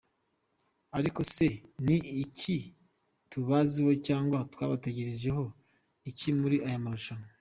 Ariko se ni iki tubaziho cyangwa twabategerezaho iki muri aya marushanwa?.